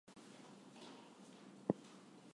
Sillar has been used as a building stone in Peru.